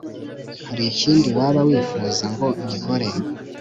harikindi waba wifuza ngo ngikore